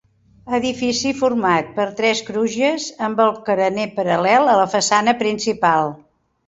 Edifici format per tres crugies, amb el carener paral·lel a la façana principal.